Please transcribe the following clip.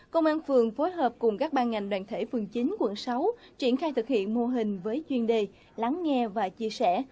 công an phường phối hợp cùng các ban ngành đoàn thể phường chín quận sáu triển khai thực hiện mô hình với chuyên đề lắng nghe và chia sẻ